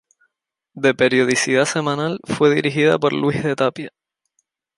De periodicidad semanal, fue dirigida por Luis de Tapia.